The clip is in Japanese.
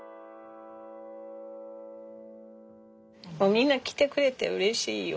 みんな来てくれてうれしいよ。